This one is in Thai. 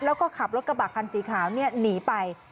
แล้วก็ขับรถกระบะคันสีขาวหนีไป